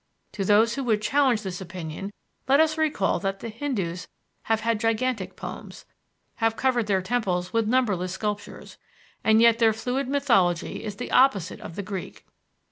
To those who would challenge this opinion let us recall that the Hindoos have had gigantic poems, have covered their temples with numberless sculptures, and yet their fluid mythology is the opposite of the Greek.